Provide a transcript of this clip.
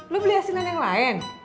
lo beli asinan yang lain